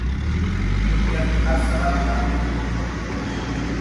Ikerketa zabalik dago oraindik.